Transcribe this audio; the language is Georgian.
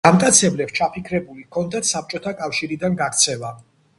გამტაცებლებს ჩაფიქრებული ჰქონდათ საბჭოთა კავშირიდან გაქცევა.